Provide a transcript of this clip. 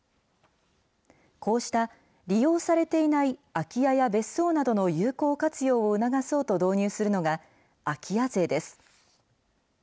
こうした利用されていない空き家や別荘などの有効活用を促そうと導入するのが、空き家税です。